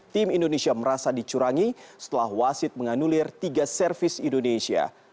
tim indonesia merasa dicurangi setelah wasit menganulir tiga servis indonesia